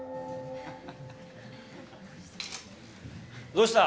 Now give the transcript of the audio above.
どうした？